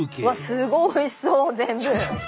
すごいおいしそう全部。